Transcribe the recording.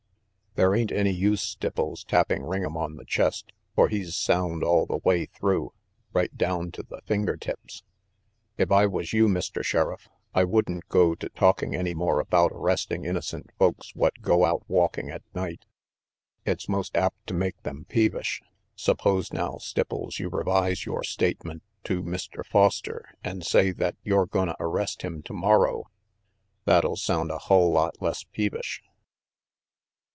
There ain't any use, Stipples, tapping Ring'em on the chest, for he's sound all the way through, right down to the finger tips. If I was you, Mr. Sheriff, I wouldn't go to talking any more about arresting innocent folks what go out walking at night. It's most apt to make them peevish. Suppose now, Stipples, you revise yore statement to Mr. Foster and say that you're gonna arrest him tomor row. That'll sound a hull lot less peevish."